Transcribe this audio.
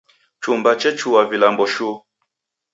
Chumba chechua vilambo shuu